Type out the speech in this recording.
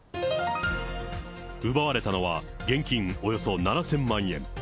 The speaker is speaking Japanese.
奪われたのは現金およそ７０００万円。